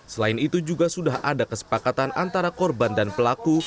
selain itu juga sudah ada kesepakatan antara korban dan pelaku